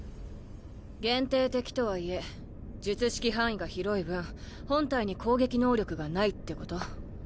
限定的とはいえ術式範囲が広い分本体に攻撃能力がないってこと？